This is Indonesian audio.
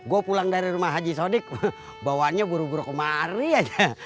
gue pulang dari rumah haji sodik bawaannya buru buru kemari aja